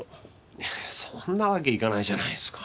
いやそんなわけいかないじゃないですか。